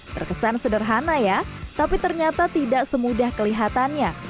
terkesan sederhana ya tapi ternyata tidak semudah kelihatannya